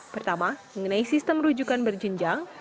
pertama mengenai sistem rujukan berjenjang